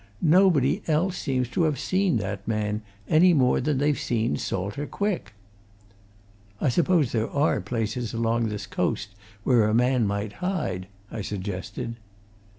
Nobody else seems to have seen that man, any more than they've seen Salter Quick!" "I suppose there are places along this coast where a man might hide?" I suggested.